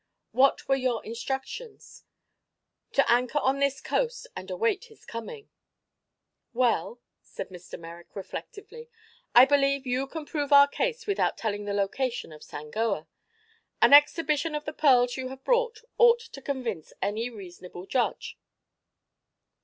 "What were your instructions?" "To anchor on this coast and await his coming." "Well," said Mr. Merrick, reflectively, "I believe you can prove our case without telling the location of Sangoa. An exhibition of the pearls you have brought ought to convince any reasonable judge.